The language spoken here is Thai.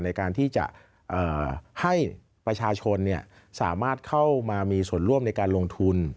ในการที่จะให้ประชาชนสามารถเข้ามามีส่วนร่วมในการลงทุน